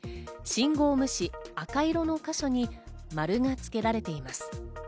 「信号無視」「赤色」のか所に丸が付けられています。